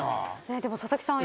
でも佐々木さん